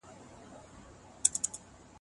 په سرمایه دارۍ کي غریب پاته کېږي.